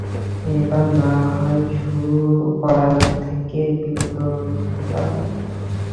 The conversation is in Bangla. এইবার নাহয় শুরু করা থেকেই বিরত থাকা যাক।